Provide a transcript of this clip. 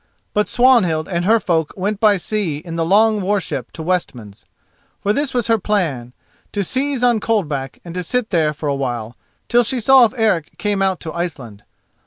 But Swanhild and her folk went by sea in the long war ship to Westmans. For this was her plan: to seize on Coldback and to sit there for a while, till she saw if Eric came out to Iceland.